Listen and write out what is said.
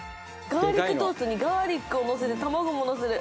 ガーリックトーストにガーリックをのせて卵ものせる